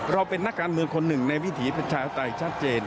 เราเป็นนักการเมืองคนหนึ่งในวิถีประชาธิปไตยชัดเจน